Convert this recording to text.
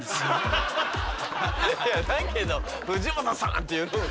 だけど「藤本さん」って言う方が。